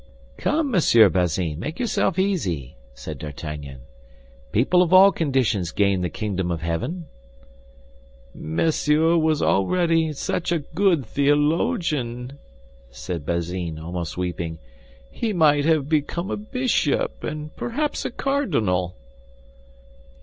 "Come, Monsieur Bazin, make yourself easy," said D'Artagnan; "people of all conditions gain the kingdom of heaven." "Monsieur was already such a good theologian," said Bazin, almost weeping; "he might have become a bishop, and perhaps a cardinal."